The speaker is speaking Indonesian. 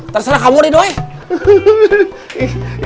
terserah kamu idoi